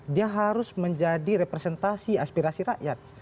dia harus menjadi representasi aspirasi rakyat